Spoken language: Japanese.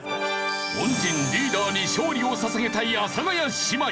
恩人リーダーに勝利を捧げたい阿佐ヶ谷姉妹。